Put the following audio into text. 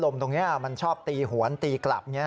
มันชอบตีหวนตีกลับ